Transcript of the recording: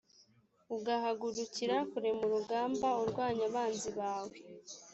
ugahagurukira kurema urugamba urwanya abanzi bawe,